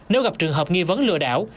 nếu gặp trường hợp nghi vấn lừa đảo